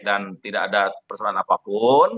dan tidak ada persalahan apapun